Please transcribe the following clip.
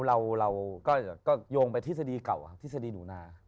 เราก็โยงไปทฤษฎีเก่าทฤษฎีหนูนา